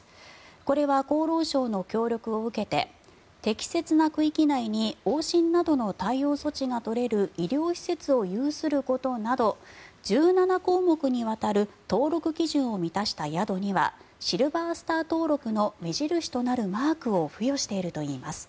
これは厚労省の協力を受けて適切な区域内に往診などの対応措置が取れる医療施設を有することなど１７項目にわたる登録基準を満たした宿にはシルバースター登録の目印となるマークを付与しているといいます。